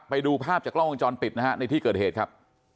ไปดูภาพจากกล้องวงจรปิดนะฮะในที่เกิดเหตุครับ